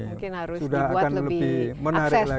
mungkin harus dibuat lebih menarik lagi